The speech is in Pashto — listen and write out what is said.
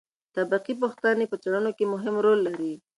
تطبیقي پوښتنې په څېړنو کې مهم رول لري.